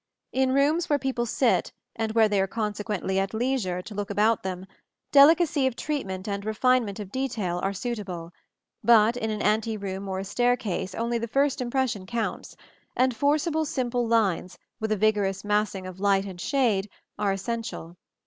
In rooms where people sit, and where they are consequently at leisure to look about them, delicacy of treatment and refinement of detail are suitable; but in an anteroom or a staircase only the first impression counts, and forcible simple lines, with a vigorous massing of light and shade, are essential.